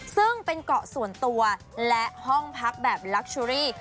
ซึ่งเป็นเกาะส่วนตัวและห้องพักแบบลักเชอรี่